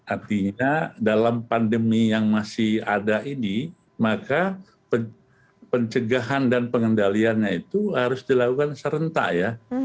artinya dalam pandemi yang masih ada ini maka pencegahan dan pengendaliannya itu harus dilakukan serentak ya